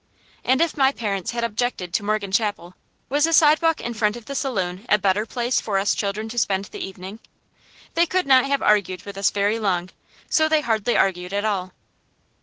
And if my parents had objected to Morgan Chapel, was the sidewalk in front of the saloon a better place for us children to spend the evening? They could not have argued with us very long, so they hardly argued at all.